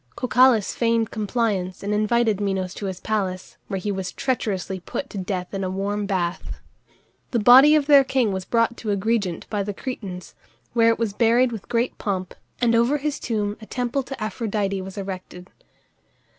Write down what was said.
Cocalus feigned compliance and invited Minos to his palace, where he was treacherously put to death in a warm bath. The body of their king was brought to Agrigent by the Cretans, where it was buried with great pomp, and over his tomb a temple to Aphrodite was erected.